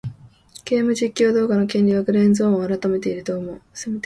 ゲーム実況動画の権利はグレーゾーンを攻めていると思う。